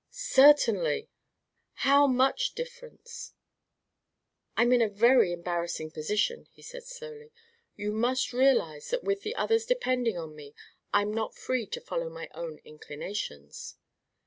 "Certainly!" "How much difference?" "I'm in a very embarrassing position," he said, slowly. "You must realize that with others depending on me I'm not free to follow my own inclinations."